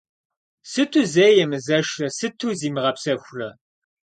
Сыту зэи емызэшрэ, сыту зимыгъэпсэхурэ?